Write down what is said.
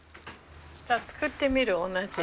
じゃ作ってみる同じ。